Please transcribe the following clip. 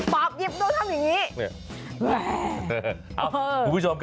ปอบหยิบด้วยทำอย่างนี้